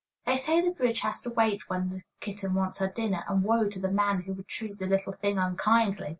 They say the bridge has to wait when that kitten wants her dinner, and woe to the man who would treat the little thing unkindly!